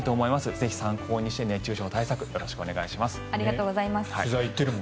ぜひ参考にして熱中症の対策をよろしくお願いします。